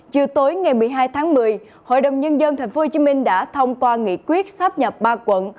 chiều tối ngày một mươi hai tháng một mươi hội đồng nhân dân thành phố hồ chí minh đã thông qua nghị quyết sáp nhập ba quận